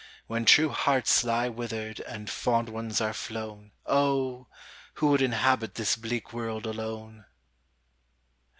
When true hearts lie withered And fond ones are flown, Oh! who would inhabit This bleak world alone?